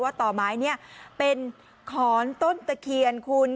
ต่อไม้นี้เป็นขอนต้นตะเคียนคุณ